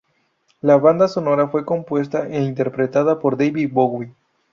La banda sonora fue compuesta e interpretada por David Bowie.